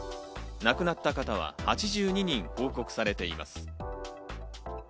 亡くなった方は８２人報告されています。